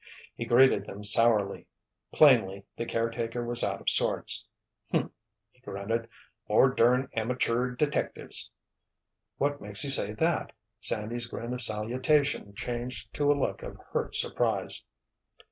He greeted them sourly. Plainly the caretaker was out of sorts. "Humph!" he grunted. "More dern amachoor detectives!" "What makes you say that?" Sandy's grin of salutation changed to a look of hurt surprise.